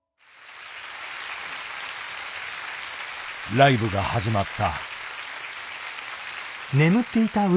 ライブが始まった。